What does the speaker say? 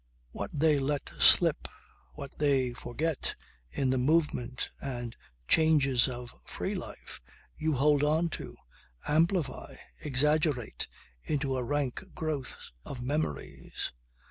What they let slip, what they forget in the movement and changes of free life, you hold on to, amplify, exaggerate into a rank growth of memories.